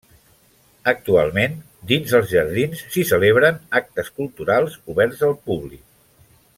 Actualment, dins els jardins s'hi celebren actes culturals, oberts al públic.